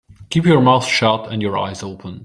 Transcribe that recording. Keep your mouth shut and your eyes open.